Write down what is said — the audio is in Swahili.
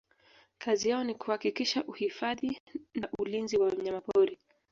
kazi yao ni kuhakikisha uhifadhi na ulinzi wa wanyamapori